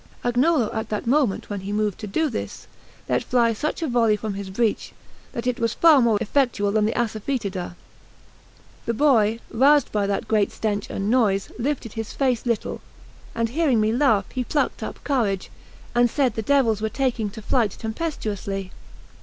Agnolo, at the moment when he moved to do this, let fly such a volley from his breech, that it was far more effectual than the assafetida. The boy, roused by that great stench and noise, lifted his face little, and hearing me laugh, he plucked up courage, and said the devils were taking to flight tempestuously.